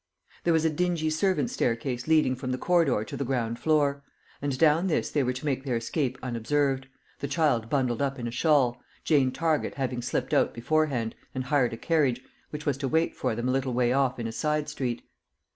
There was a dingy servants' staircase leading from the corridor to the ground floor; and down this they were to make their escape unobserved, the child bundled up in a shawl, Jane Target having slipped out beforehand and hired a carriage, which was to wait for them a little way off in a side street.